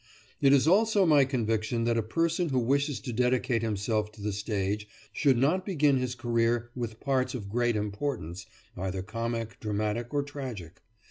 It is also my conviction that a person who wishes to dedicate himself to the stage should not begin his career with parts of great importance, either comic, dramatic, or tragic.